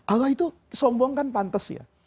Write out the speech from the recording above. allah itu sombong kan pantas ya